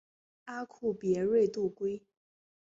阿库别瑞度规。